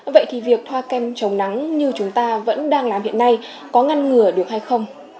vậy thì việc thoa kem chống nắng như chúng ta vẫn đang làm hiện nay có ngăn ngừa được hay không